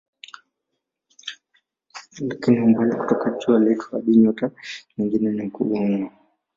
Lakini umbali kutoka jua letu hadi nyota nyingine ni mkubwa mno.